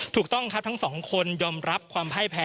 ถูกต้องครับทั้งสองคนยอมรับความพ่ายแพ้